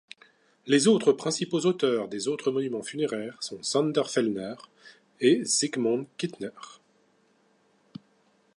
Les autres principaux auteurs des autres monuments funéraires sont Sánder Fellner et Zsigmond Quittner.